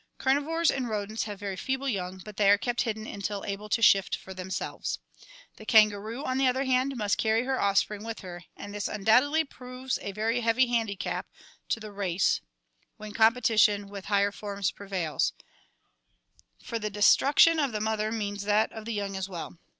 Carnivores and rodents have very feeble young, but they are kept hidden until able to shift for themselves. The kangaroo, on the other hand, must carry her offspring with her and this undoubtedly proves a very heavy handicap to the race when competition with higher forms prevails, for the destruction of the mother means that of the young as well.